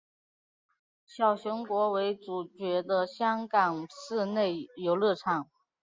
小熊国为主角的香港室内游乐场。